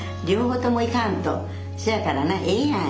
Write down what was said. せやからなええやん。